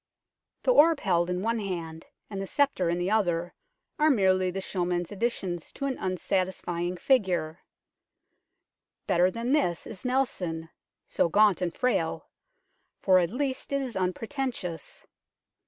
The orb held in one hand and the sceptre in the other are merely the showman's additions to an unsatisfying figure. Better than this is Nelson, so gaunt and frail, for at least it is unpretentious.